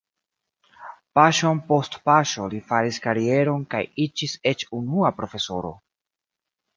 Paŝon post paŝo li faris karieron kaj iĝis eĉ unua profesoro.